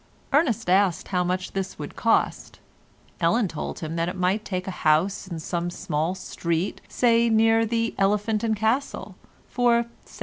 Ernest asked how much this would cost. Ellen told him that he might take a house in some small street, say near the "Elephant and Castle," for 17s.